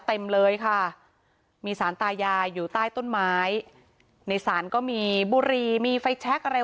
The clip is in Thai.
เต็มเลยค่ะมีสารตายายอยู่ใต้ต้นไม้ในศาลก็มีบุรีมีไฟแชคอะไร